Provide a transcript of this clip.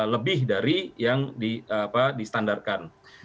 lebih dari yang di standarkan